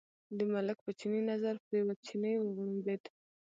د ملک په چیني نظر پرېوت، چیني وغړمبېد.